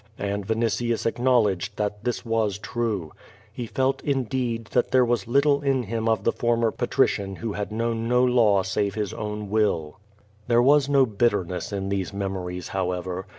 And Vinitius acknowledged that this was true. He felt, indeed, that there was little in him of the former patrician who had known no law save his own will. There was no bitterness in these memories, however.